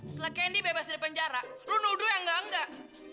setelah candy bebas dari penjara lo nuduh yang enggak enggak